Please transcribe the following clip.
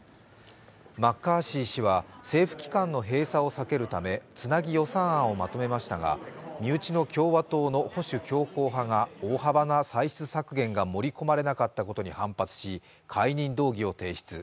マッカーシー氏は政府機関の閉鎖を避けるためつなぎ予算をまとめましたが、身内の共和党の保守強硬派が大幅な歳出削減が盛り込まれなかったことに反発し、解任動議を提出。